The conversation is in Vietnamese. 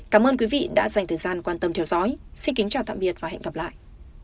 cảm ơn quý vị đã dành thời gian quan tâm theo dõi xin kính chào tạm biệt và hẹn gặp lại